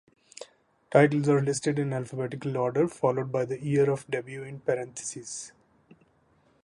Titles are listed in alphabetical order followed by the year of debut in parentheses.